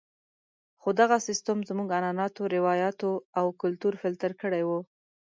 خو دغه سیستم زموږ عنعناتو، روایاتو او کلتور فلتر کړی وو.